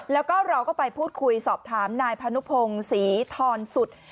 แล้วก็เราก็ไปพูดคุยสอบถามนายพานุพงศรีทรสุด